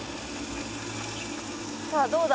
さあどうだ？